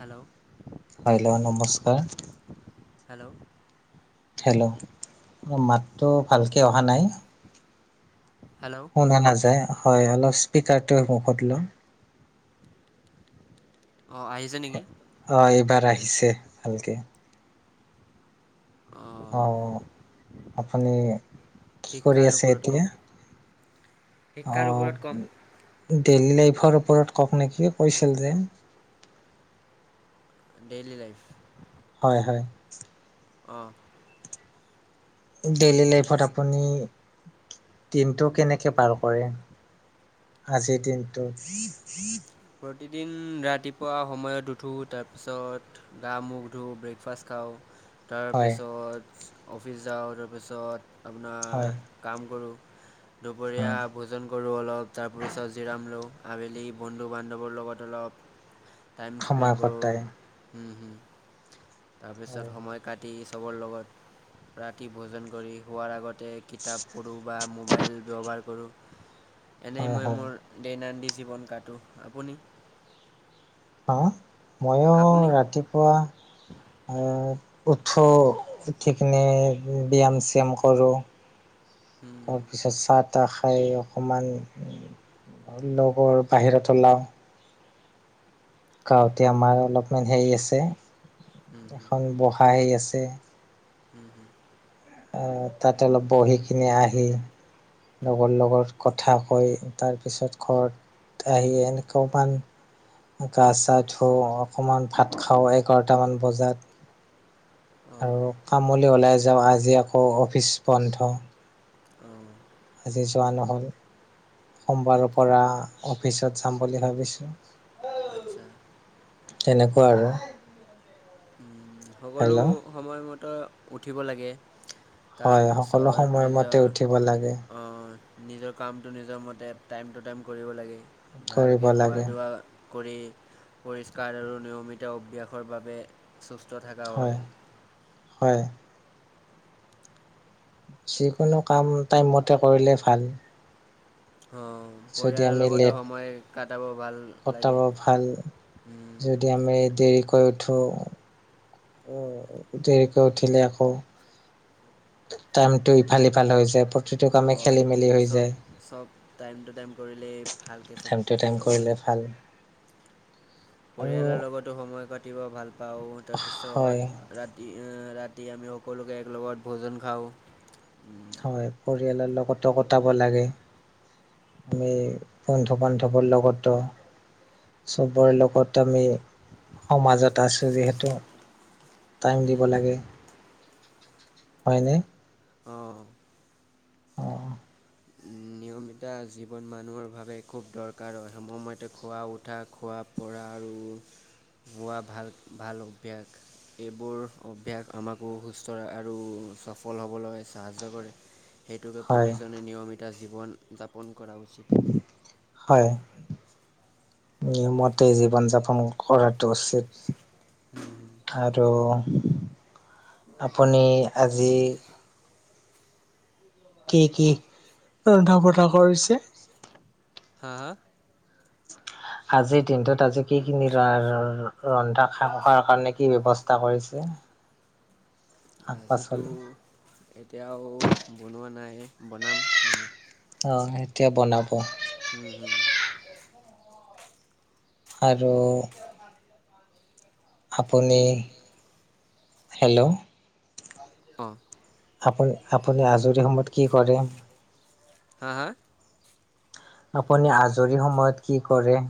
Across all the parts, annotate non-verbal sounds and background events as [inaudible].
Hello hello নমস্কাৰ। Hello hello মাতটো ভালকৈ অহা নাই। হেল্ল' শুনা নাযায় হয় অলপ স্পীকাৰটোৱে মুখত লওঁ। অ আহিছে নেকি? অ এইবাৰ আহিছে ভালকে। অ। অ আপুনি কি কৰি শিক্ষা আৰু আছে ওপৰত এতিয়া কম। অ শিক্ষাৰ ওপৰত ক'ম ডেইলী লাইফৰ ওপৰত কওক নেকি কৈছিল যে। Daily life? হয় হয়। অ। ডেইলি লাইফত আপুনি দিনটো কেনেকে পাৰ কৰে? আজিৰ দিনটো প্ৰতিদিন ৰাতিপুৱা সময়ত উঠো, তাৰপিছত গা মখ ধু, ব্ৰেকফাষ্ট খাওঁ হয় তাৰপিছত অফিচ যাওঁ, তাৰপিছত হয় আপোনাৰ কাম কৰোঁ, উম, দুপৰীয়া ভোজন কৰোঁ অলপ, তাৰপ চত জিৰাম লওঁ। আবেলি বন্ধু বান্ধৱৰ লগত অলপ টাইম স্পেণ্ড সময় কৰোঁ। কটাই হম হম তাৰপিছত হয় সময় কা ৰাতি চবৰ লগত ৰাতি ভোজন কৰি শুৱাৰ আগত তে কিতাপ পঢ়োঁ বা মোবাইল ব্যৱহাৰ কৰোঁ, এনেই হয় মই হয় মোৰ দৈনন্দিন জীৱন কাটো। আপুনি? হা? ময়ো আপুনি ৰাতিপুৱা আ উঠো উঠি কিনে ব্যায়াম-চায়াম কৰোঁ, হুম, তাৰপিছত চাহ-তাহ খাই অকণমান লগৰ বাহিৰত ওলাওঁ গাঁৱতে আমাৰ অলপমান হেৰি আছে এখন বহা সেই আছে হম হম। আহ তাত অলপ বহি কিনি আহি লগৰ লগত কথা কৈ তাৰপিছত ঘৰত আহি [unintelligible] গা-চা ধুওঁ অকণমান ভাত খাওঁ এঘাৰটামান বজাত। অঁ আৰু কামলৈ ওলাই যাওঁ, আজি আকৌ অফিচ বন্ধ। অহ। আজি যোৱা নহ'ল। সোমবাৰৰ পৰা অফিচত যাম বুলি ভাবিছোঁ। আচ্ছা তেনেকুৱা আৰু। উম, সকলো হেল্ল' সময়মতে উঠিব লাগে, হয় সকলো তাৰপিছত সময়মতে নিজৰ উঠিব লাগে অ নিজৰ কামটো নিজৰ মতে টাইম টু টাইম কৰিব লাগে, কৰিব ভালকৈ লাগে খোৱা-দোৱা কৰি পৰিষ্কাৰ আৰু নিয়মিত অভ্যাসৰ বাবে সুস্থ থকা হয়। হয়। যিকোনো কাম টাইমমতে কৰিলে ভাল। অঁ', যদি পৰিয়ালৰ আমি লগতো লেট সময় কাটাব ভাল। লাগে কটাব ভাল, যদি আমি দেৰিকৈ উঠো অ', দেৰিকৈ উঠিলে আকৌ টাইমটো ইফাল - সিফাল হৈ যায়, প অ' এইটোৱে চব চব টাইম টু টাইম কৰিলেই ভালকে চব টাইম টো টাইম চব হয় কৰিলে ভাল। আৰু পৰিয়ালৰ লগতো সময় কাটিব ভাল পাও হয় তাৰপিছত ৰাতি আ ৰাতি আমি সকলোকে একেলগত ভোজন খাওঁ। হয়, পৰিয়ালৰ লগতো কটাব লাগে। আমি বন্ধু - বান্ধৱৰ লগতো চবৰে লগত আমি সমাজত আছো যিহেতু। টাইম দিব লাগে হয়নে? অঁ'। অঁ'। নিও নমিতা জীৱন মানুহৰ বাবে খুব দৰকাৰ হয় সময়মতে খোৱা, উঠা, খোৱা পৰা আৰু হোৱা ভাল - ভাল অভ্যাস। এইবোৰ অভ্যাস আমাকো সুস্থ আৰু সফল হ'বলৈ সাহাৰ্য্য কৰে। সেইটোকে হয় প্ৰতিজনে নিয়মিতা জীৱন- যাপন কৰা উচিত। হয়। নিয়মমতে জীৱন - যাপন কৰাটো উচিত। খাই তো, আপুনি আজি কি কি ৰন্ধা বটা কৰিছে? হা হা? [inaudible] আজিৰ দিনটোত আজি [unintelligible] কাৰণে কি ৰন্ধা খোৱাৰ কাৰণে কি কৰিছে ব্যৱস্থা কৰি শাক আজিতো পাচলি এতিয়াও বনোৱা নাই বনাম মানে। অ', এতিয়া বনাব। হুম হুম। আৰু আপুনি হেল্ল'? অঁ আপুনি আপুনি আজৰি সময়ত কি কৰে? হা হা? আপুনি আজৰি সময়ত কি কৰে?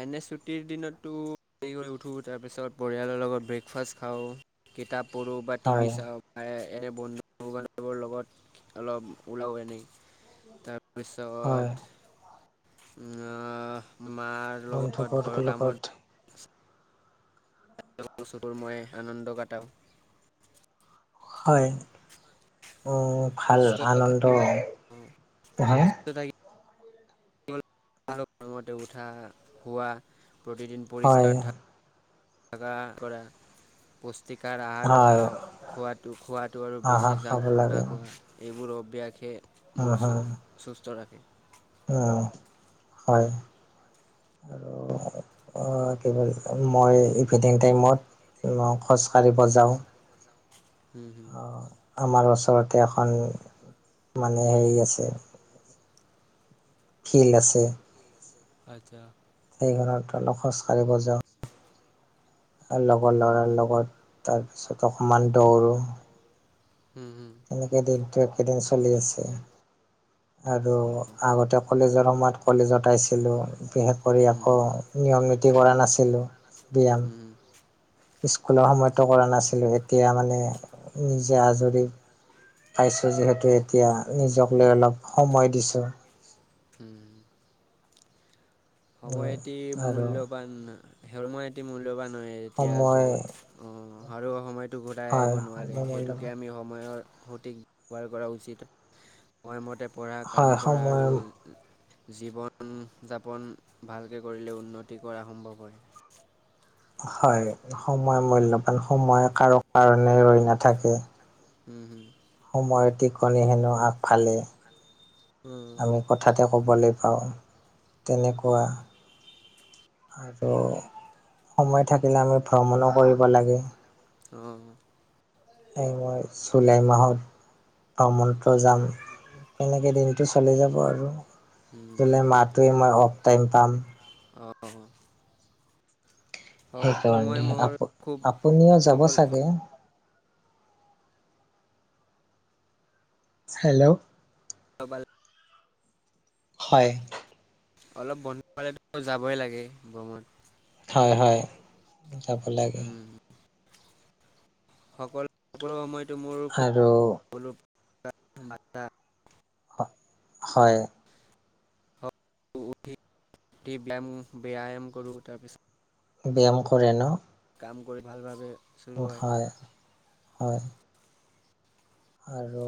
এনে ছুটিৰ দিনতো হেৰি কৰি উঠো তাৰপিছত পৰিয়ালৰ লগত ব্ৰেকফাষ্ট খাওঁ কিতাপ পঢ়োঁ বা টিভি হয় চাও আই এনে বন্ধু - বান্ধৱৰ লগত অলপ ওলাও এনেই তাৰ পিছত, হয় উম আ মাৰ লগত ঘৰৰ বন্ধুবৰ্গৰ কামত লগত [unintelligible] ময়ে আনন্দ গাটাও। হয়', উম', ভাল সুস্থ আনন্দ থাকি নহয়। [unintelligible] আগতে উঠা, শুৱা, প্ৰতিদিন হয় পৰিষ্কাৰ থা ভাগা কৰা। পুষ্টিকাৰ আহাৰ হয় খাওঁ, খোৱাটো খোৱাটো আৰু বেছি আহাৰ খাব জাংক ফুড লাগে নাখোৱা এইবোৰ অভ্যাসে মোক সু সুস্থ ৰাখে। অ', হয় আৰু কি মই ইভিনিং টাইমত খোজকাঢ়িব যাওঁ। উম' অ', আমাৰ ওচৰতে এখন মানে হেৰি আছে ফিল্ড আছে। আচ্ছা। সেই ঘৰত অলপ খোজ কাঢ়িব যাওঁ। লগৰ উম ল'ৰাৰ লগত, তাৰ পিছত অকমান দৌৰ উম', উম' এনেকে দিনটো একেদিন চলি আছে, আৰু আগতে কলেজৰ সময়ত কলেজত আইছিলোঁ, বিশেষ কৰি হুম আকৌ হুম নিয়ম নীতি কৰা নাছিলোঁ। ব্যায়াম উম' স্কুলৰ সময়তো কৰা নাছিলো, এতিয়া মানে নিজে আজৰি পাইছোঁ যিহেতু এতিয়া নিজক লৈ অলপ সময় দিছোঁ। উম' সময় এটি আৰু মূল্যৱান, সময় এটি মূল্যৱান হয় এতিয়া সময় যুগত। অ', আৰু সময়টো ঘূৰাই হয় আহিব নোৱাৰে, সময় সেইটোকে মূল্যৱান আমি সময়ৰ সঠিক ব্যৱহাৰ কৰা উচিত, সময়মতে পঢ়া হয় কাম কৰা সময় আৰু জীৱন যাপন ভালকে কৰিলে উন্নতি কৰা সম্ভৱ হয়। হয়', সময় মূল্যৱান সময় কাৰো কাৰণে ৰৈ নাথাকে। উম', উম'। সময়ৰ টিকনি হেনো আগফালে, উম আমি কথাতে ক'বলে পাওঁ, তেনেকুৱা আৰু সময় থাকিলে আমি ভ্ৰমণো কৰিব লাগে অ' এই মই জুলাই মাহত ভ্ৰমন্ত্ৰ যাম, তেনেকে দিনটো চলি যাব আৰু। টোলে মাহ টোও ইমান অফ টাইম পাম। অ' অ' সকলো সময় সেইকাৰণে মোৰ আপ খুব আপুনিও যাব সকলো চাগে? হেল্ল' অ'বাল হয়'। অলপ বন্ধ পালে টো যাবই লাগে, ভ্ৰমন। হয়', হয়'। যাব লা উম', সকল কল সময়তটো মোৰ আৰু খুব হয় হয় উঠি উঠি ব্যায়াম ব্যায়াম কৰোঁ তাৰপিছত ব্যায়াম কৰে ন কাম কৰি ভালভাৱে চলোৱাই হয়, হয়। আৰু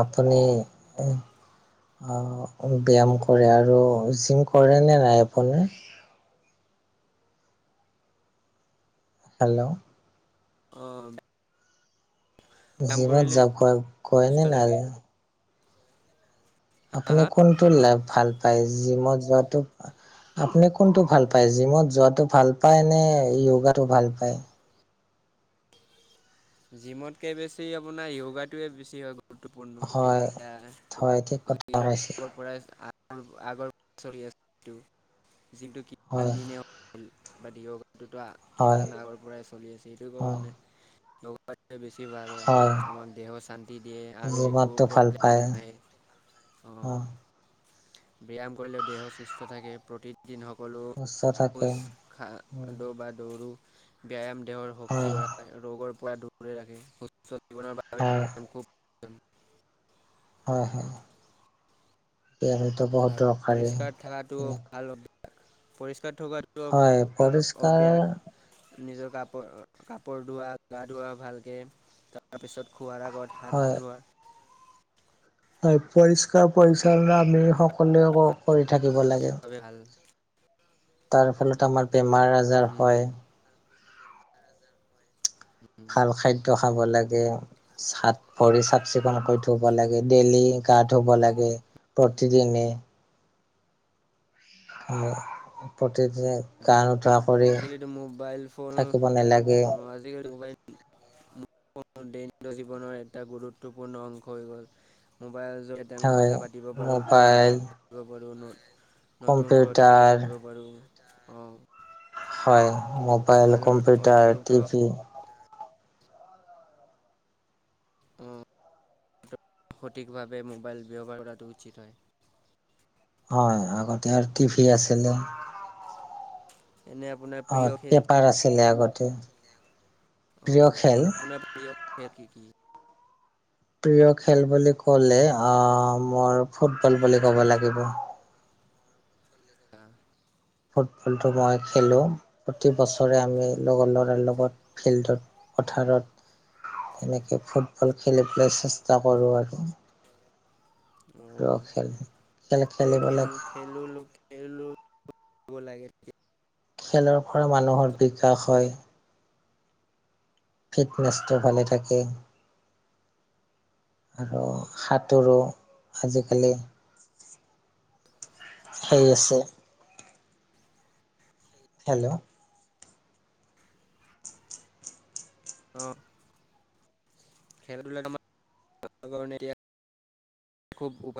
আপুনি ব্যায়াম কৰে আৰু জিম কৰে নে নাই আপোনি? হেল্ল'। আহ', ব্যাম জিমত কৰিলে যা গৈ গৈ নে সুস্থ থাকে। নাযায়? হা আপুনি কোনটো লাভ ভাল পায় জিমত যোৱাটো আপুনি হা? কোনটো ভাল পায়, জিমত যোৱাটো ভাল পায় নে, য়োগাটো ভাল পায়? জিমতকে বেছি আপোনাৰ য়গাটোৱে বেছি হয় গ' গুৰুত্বপূৰ্ণ হয় এতিয়া হয় ঠিক কথা [unintelligible] কৈছে পৰাই আগৰ চলি আছিলোঁ, যিটো কিমান হয় দিনে [unintelligible] কিমান হয় আগৰ পৰাই চলি আছে, সেইটো অ কাৰণে বেছি ভাল হয়, আমাৰ দেহৰ শান্তি দিয়ে আৰু একো প্ৰব্লেম নাই। উম। ব্যায়াম কৰিলেও দেহ সুস্থ থাকে, প্ৰতি দিন সকলো সুস্থ থাকে খোজ খা হয় বা দৌৰো ব্যায়াম দেহৰ হয় শক্তি বহাই, আৰু ৰোগৰ পৰা দূৰতে ৰাখে, সুস্থ জীৱনৰ উম। ব্যায়াম খুব প্ৰয়োজন হয় হয়, এনেটো বহুত আৰু দৰকাৰী, পৰিষ্কাৰ থকাটো তেনে ভাল পৰিষ্কাৰ থকাটো হয় ভাল পৰিষ্কাৰ অভ্যাস। নিজৰ কাপ কাপোৰ ধোৱা, গা ধোৱা ভালকৈ, তাৰপিছত খোৱাৰ আগত হাত হয় ধোৱা। হয়, পৰিষ্কাৰ পৰিছন্নতা আমি সকলোৱে কৰি থাকিব লাগে। চবেই ভাল। তাৰ ফলত আমাৰ বেমাৰ আজাৰ হয়। [unintelligible] বাৰ হাজাৰ হয়। ভাল খাদ্য খাব লাগে। হাত ভৰি চাফ চিকুণ কৰি থব লাগে, ডেইলী গা ধুব লাগে। হম প্ৰতিদিনে প্ৰতিদিনে গা নুধুৱা আজিকালিটো মোবাইল ফোন, নালাগে আহ', আজিকালি মোবাইল [unintelligible] দৈনন্দিন জীৱনৰ এটা গুৰুত্বপূৰ্ণ অংশ হৈ গ'ল, মোবাইল হয় কথা পাতিব পাৰোঁ, পঢ়া মোবাইল লিখা পাৰো, নতুন তথ্য কম্পিউটাৰ জানিব পাৰোঁ, অ'। হয়, মোবাইল, কম্পিউটাৰ, অতিৰিক্ত টিভি অ'। সঠিকভাৱে মোবাইল ব্যৱহাৰ কৰাটো উচিত হয়। হয়, আগতে আৰু টিভি আছিলে। এনে আপোনাৰ অ প্ৰিয় খেল পেপাৰ কি? আছিলে আগতে অ', প্ৰিয় খেল এনে আপোনাৰ প্ৰিয় খেল কি কি? প্ৰিয় খেল বুলি ক'লে আহ, মোৰ ফুটবল বুলি ক'ব লাগিব। অ'। ফুটবলটো মই খেলোঁ, প্ৰতি বছৰে আমি লগৰ ল'ৰাৰ লগত ফিল্ডত পথাৰত তেনেকে ফুটবল খেলিবলৈ চেষ্টা কৰোঁ আৰু। প্ৰিয় অ', খেল খেল এইটোৱে খেলিব খেল লাগে খেলো [unintelligible] খেলৰ পৰা মানুহৰ বিকাশ হয়। ফিটনেছটো ভালে থাকে। আৰু সাঁতোৰো আজিকালি সেই আছে। হেল্ল'। অ'। খেলা ধূলাক আমাৰ কাৰনে এতিয়া খুব উপায়